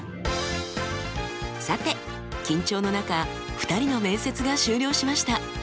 さて緊張の中２人の面接が終了しました。